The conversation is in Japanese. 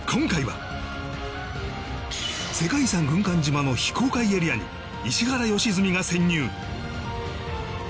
世界遺産軍艦島の非公開エリアに石原良純が潜入